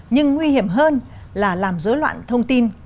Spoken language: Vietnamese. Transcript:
nhưng nguy hiểm hơn là làm dối loạn thông tin